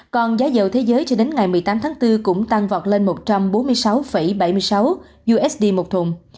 còn giá dầu thế giới cho đến ngày một mươi tám tháng bốn cũng tăng vọt lên một trăm bốn mươi sáu bảy mươi sáu usd một thùng